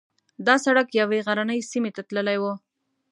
دا سړک یوې غرنۍ سیمې ته تللی و.